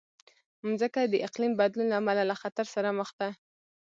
مځکه د اقلیم بدلون له امله له خطر سره مخ ده.